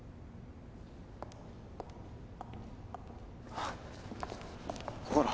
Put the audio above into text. あっこころ。